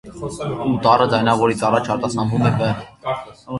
Ու տառը ձայնավորից առաջ արտասանվում է վ։